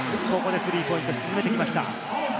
ここでスリーポイントを沈めてきました。